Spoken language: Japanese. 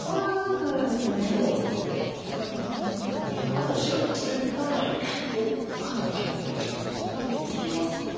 あと白これ打たないと下に切りますと。